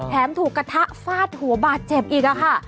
ถูกกระทะฟาดหัวบาดเจ็บอีกค่ะ